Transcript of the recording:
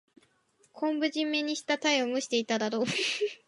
昆布じめにしたタイを蒸していただこう。